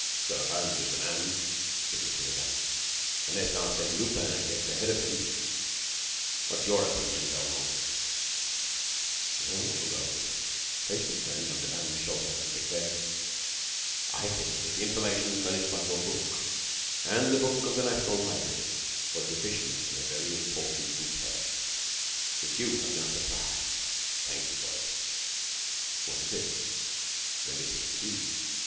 "Sherlock Holmes is the man," said Mon. Devanne, "unless Arsène Lupin gets ahead of him. What is your opinion, Velmont?" Velmont arose, placed his hand on Devanne's shoulder, and declared: "I think that the information furnished by your book and the book of the National Library was deficient in a very important detail which you have now supplied. I thank you for it." "What is it?" "The missing key.